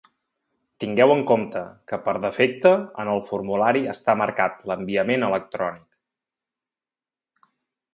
Tingueu en compte que per defecte en el formulari està marcat l'enviament electrònic.